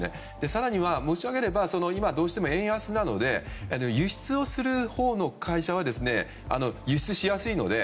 更には今、どうしても円安なので輸出をするほうの会社は輸出しやすいので。